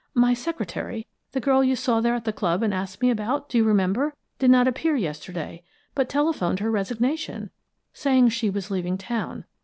My secretary the girl you saw there at the club and asked me about, do you remember? did not appear yesterday, but telephoned her resignation, saying she was leaving town.